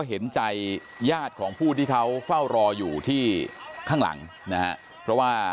เห็นใจญาติของผู้ที่เขาเฝ้ารออยู่ที่ข้างหลังนะฮะเพราะว่า